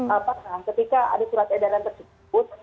apa nah ketika ada surat edaran tersebut